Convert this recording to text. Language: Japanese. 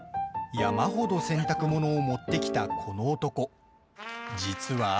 山ほど洗濯物を持ってきたこの男実は。